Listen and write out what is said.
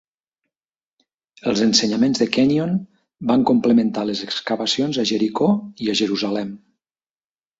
Els ensenyaments de Kenyon van complementar les excavacions a Jericho i a Jerusalem.